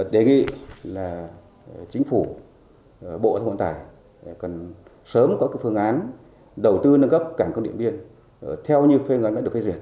đề nghị là chính phủ bộ thông vận tải cần sớm có phương án đầu tư nâng cấp cảng công điện biên theo như phương án đã được phê duyệt